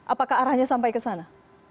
apakah arahnya sampai ke sana